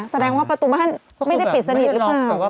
แสดงว่าประตูบ้านไม่ได้ปิดสนิทหรือเปล่า